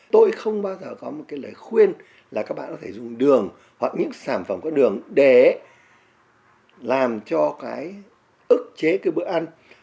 tôi không bao giờ có một cái lời khuyên là các bạn có thể dùng đường hoặc những sản phẩm qua đường để làm cho cái ức chế cái bữa ăn